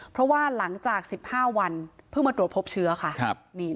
เพราะว่าหลังจาก๑๕วันเพิ่งมาตรวจพบเชื้อค่ะ